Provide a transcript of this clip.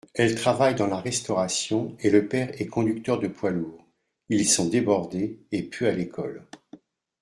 Elle travaille dans la restauration et le père est conducteur de poids-lourds, ils sont débordés et peu à l’école.